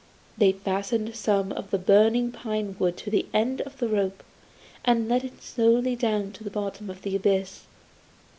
They fastened some of the burning pine wood to the end of the rope, and let it slowly down to the bottom of the abyss.